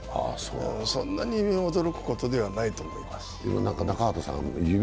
そんなに驚くことではないと思います。